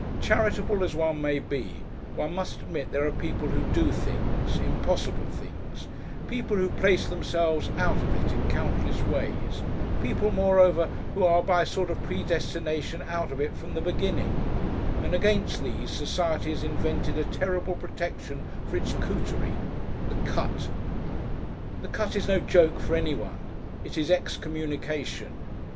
Charitable as one may be, one must admit there are people who do things, impossible things; people who place themselves "out of it" in countless ways; people, moreover, who are by a sort of predestination out of it from the beginning, and against these Society has invented a terrible protection for its Cootery, the Cut. The cut is no joke for anyone. It is excommunication.